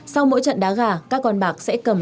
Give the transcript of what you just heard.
sau mỗi trận đá gà các con bạc sẽ cầm